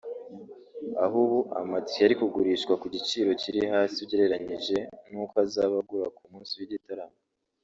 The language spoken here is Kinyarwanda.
aho ubu amatike ari kugurishwa ku giciro cyiri hasi ugereranyije n’uko azaba agura ku munsi w’igitaramo